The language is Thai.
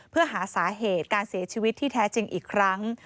เพื่อหาสาเหตุการเสียชีวิตที่แท้จริงอีกครั้ง